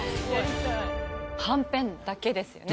はんぺんだけですよね。